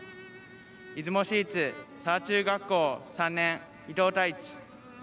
出雲市立佐田中学校３年伊藤汰一。